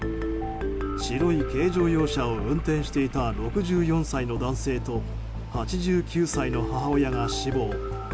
白い軽乗用車を運転していた６４歳の男性と８９歳の母親が死亡。